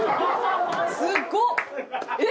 すごっ！